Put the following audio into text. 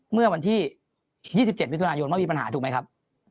เมื่อวันที่๒๗พยมันมีปัญหาถูกไหมครับ